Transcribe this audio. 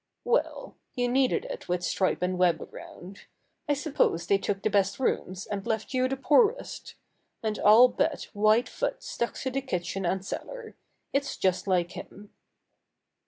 "Well, you needed it with Stripe and Web around. I suppose they took the best rooms, and left you the poorest. And I'll bet White Foot stuck to the kitchen and cellar. It's just like him."